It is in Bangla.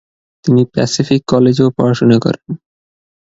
তিনি প্যাসিফিক কলেজেও পড়াশোনা করেন।